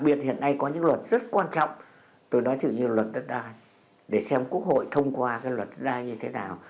hiện nay có những luật rất quan trọng tôi nói thử như là luật đất ai để xem quốc hội thông qua cái luật đất ai như thế nào